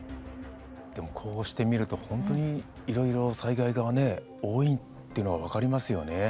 でもこうして見ると本当にいろいろ災害がね多いっていうのが分かりますよね。